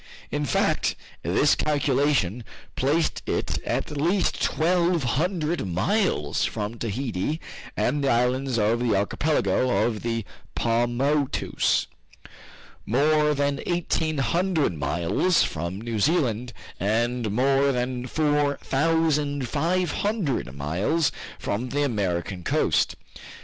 In fact, this calculation placed it at least twelve hundred miles from Tahiti and the islands of the archipelago of the Pomoutous, more than eighteen hundred miles from New Zealand, and more than four thousand five hundred miles from the American coast!